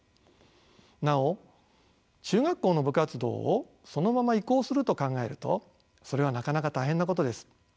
なお中学校の部活動をそのまま移行すると考えるとそれはなかなか大変なことです。